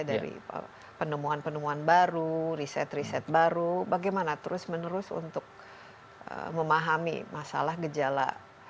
dari penemuan penemuan baru riset riset baru bagaimana terus menerus untuk memahami masalah gejala